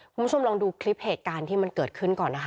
คุณผู้ชมลองดูคลิปเหตุการณ์ที่มันเกิดขึ้นก่อนนะคะ